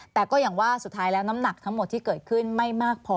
แต่ก็อย่างว่าสุดท้ายแล้วน้ำหนักทั้งหมดที่เกิดขึ้นไม่มากพอ